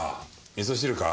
みそ汁か？